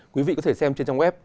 quý vị có thể xem trên trang web